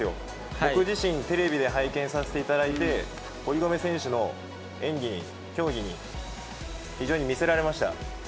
僕自身、テレビで拝見させていただいて、堀米選手の演技に、競技に、非常に見せられました。